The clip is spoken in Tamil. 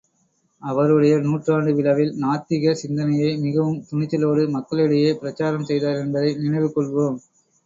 அவருடைய நூற்றாண்டு விழாவில் நாத்திக சிந்தனையை மிகவும் துணிச்சலோடு மக்களிடையே பிரச்சாரம் செய்தார் என்பதை நினைவு கொள்வோம்.